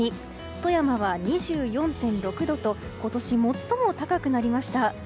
富山は２４．６度と今年最も高くなりました。